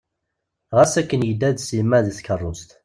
Ɣas akken yedda d Sima deg tkerrust.